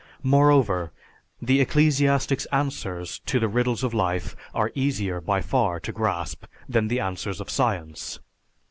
Moreover, the ecclesiastic's answers to the riddles of life are easier, by far, to grasp than the answers of science.